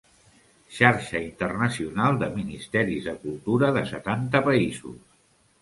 Xarxa internacional de ministeris de cultura de setanta països.